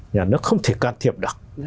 nhà nước không thể can thiệp được